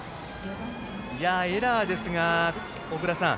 エラーですが、小倉さん